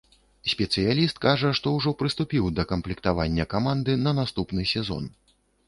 Спецыяліст кажа, што ўжо прыступіў да камплектавання каманды на наступны сезон.